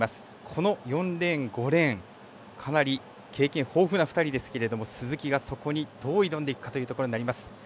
この４レーン５レーンかなり経験豊富な２人ですけれども鈴木がそこにどう挑んでいくかというところになります。